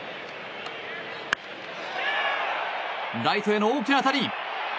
ライトへの大きな当たり！